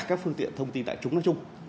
các phương tiện thông tin tại chúng nói chung